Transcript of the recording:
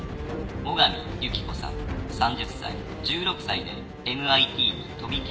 最上友紀子さん３０歳１６歳でＭＩＴに飛び級で留学。